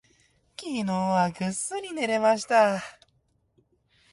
昨日はぐっすり眠れました。